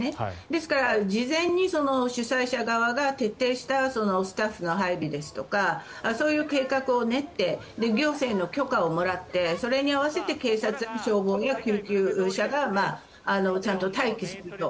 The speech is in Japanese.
ですから、事前に主催者側が徹底したスタッフの配備ですとかそういう計画を練って行政の許可をもらってそれに合わせて警察や消防や救急車がちゃんと待機すると。